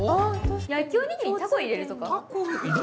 焼きおにぎりにタコ入れるとか？